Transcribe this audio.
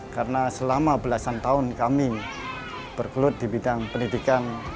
karena selama belasan tahun kami berkelut di bidang pendidikan